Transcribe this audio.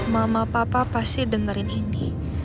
mama papa pasti dengerin ini